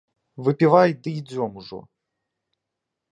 Выпівай ды ідзём ужо.